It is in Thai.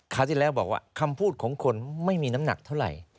ที่แล้วบอกว่าคำพูดของคนไม่มีน้ำหนักเท่าไหร่